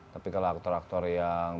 tapi kalau aktor aktor yang